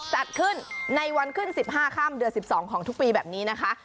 จัดขึ้นในวันขึ้น๑๕ค่ำเดือน๑๒ของทุกปีแบบนี้นะคะ